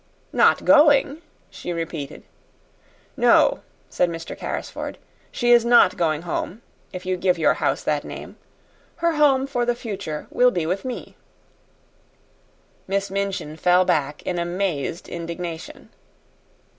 "Not going!" she repeated. "No," said Mr. Carrisford. "She is not going home if you give your house that name. Her home for the future will be with me." Miss Minchin fell back in amazed indignation.